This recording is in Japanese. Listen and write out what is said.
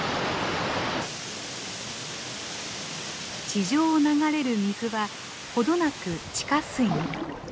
地上を流れる水は程なく地下水に。